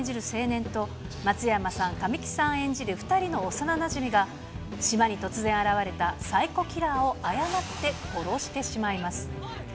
青年と、松山さん、神木さん演じる２人の幼なじみが、島に突然現れたサイコキラーを誤って殺してしまいます。